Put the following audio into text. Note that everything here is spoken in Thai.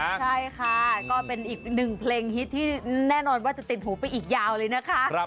ใช่ค่ะก็เป็นอีกหนึ่งเพลงฮิตที่แน่นอนว่าจะติดหูไปอีกยาวเลยนะคะ